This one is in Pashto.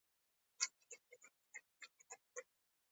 سوداګرۍ د پراختیا لامل شوه.